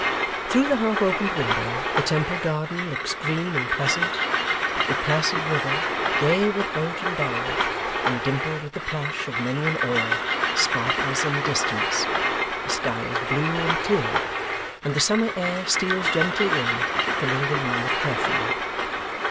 Through the half opened window, the Temple Garden looks green and pleasant; the placid river, gay with boat and barge, and dimpled with the plash of many an oar, sparkles in the distance; the sky is blue and clear; and the summer air steals gently in, filling the room with perfume.